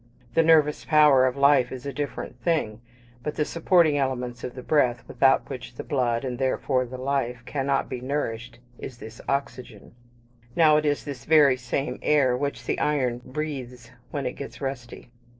The nervous power of life is a different thing; but the supporting element of the breath, without which the blood, and therefore the life, cannot be nourished, is this oxygen. Now it is this very same air which the iron breathes when it gets rusty.